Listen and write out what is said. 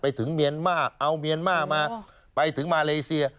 ถึงเมียนมาร์เอาเมียนมาร์มาไปถึงมาเลเซีย